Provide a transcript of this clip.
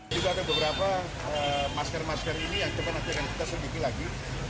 ada beberapa masker masker ini yang kita sedikit lagi